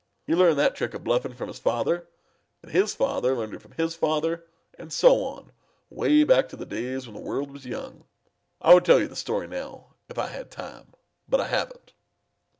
He learned that trick of bluffing from his father, and his father learned it from his father, and so on way back to the days when the world was young. I would tell you the story now if I had time, but I haven't."